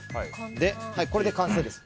これで完成です。